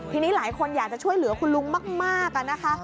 ทีนี้หลายคนอยากจะช่วยเหลือคุณลุงมากนะคะ